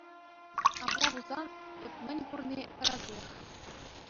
Апла пулсан эп мӗн курни – тӗрӗсех.